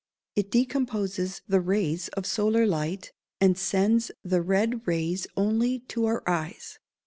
It decomposes the rays of solar light, and sends the red rays only to our eyes.